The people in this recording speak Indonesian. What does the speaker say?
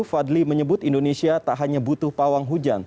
fadli menyebut indonesia tak hanya butuh pawang hujan